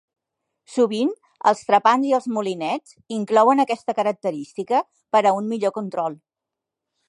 Sovint, els trepants i els molinets inclouen aquesta característica per a un millor control.